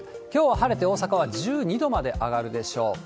きょうは晴れて、大阪は１２度まで上がるでしょう。